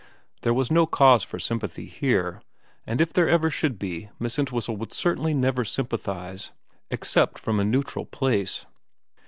There was no cause for sympathy here, and if there ever should be Miss Entwhistle would certainly never sympathise except from a neutral place.